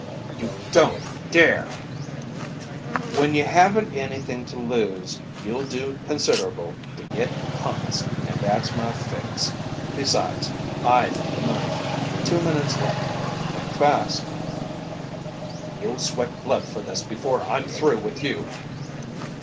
"You don't dare!" "When you haven't anything to lose you'll do considerable to get 'hunks' and that's my fix. Besides, I need the money. Two minutes left think fast." "You'll sweat blood for this before I'm through with you!"